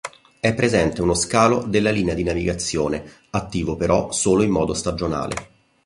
È presente uno scalo della linea di navigazione, attivo però solo in modo stagionale.